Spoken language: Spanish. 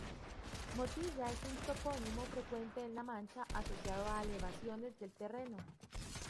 Motilla es un topónimo frecuente en La Mancha, asociado a elevaciones del terreno.